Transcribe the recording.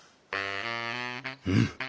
うん？